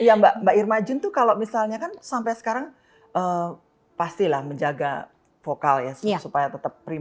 iya mbak irma jun tuh kalau misalnya kan sampai sekarang pastilah menjaga vokal ya supaya tetap prima